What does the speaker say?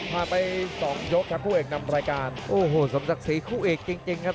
กระโดยสิ้งเล็กนี่ออกกันขาสันเหมือนกันครับ